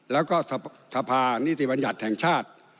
แล้วก็สภานิติบัญญัติแห่งชาติ